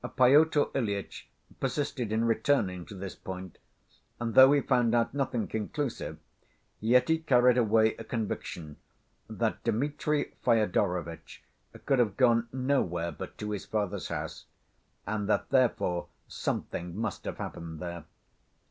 Pyotr Ilyitch persisted in returning to this point, and though he found out nothing conclusive, yet he carried away a conviction that Dmitri Fyodorovitch could have gone nowhere but to his father's house, and that therefore something must have happened there.